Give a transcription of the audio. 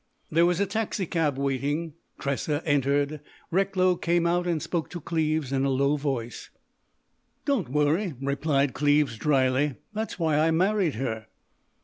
There was a taxicab waiting. Tressa entered. Recklow came out and spoke to Cleves in a low voice. "Don't worry," replied Cleves dryly. "That's why I married her."